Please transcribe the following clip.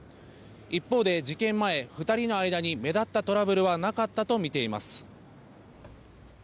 一方で、事件前２人の間に目立ったトラブルはなかったとみています。